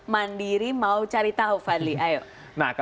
mandiri mau cari tahu fadli ayo